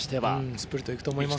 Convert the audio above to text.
スプリットをいくと思いますね。